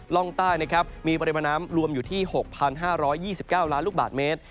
ร่องใต้นะครับมีปริมาณน้ำรวมอยู่ที่๖๕๒๙ล้านลูกบาทเมตร